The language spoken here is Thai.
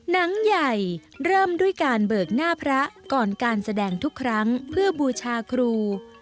หนังใหญ่เริ่มด้วยการเบิกหน้าพระก่อนการแสดงทุกครั้งเพื่อบูชาครู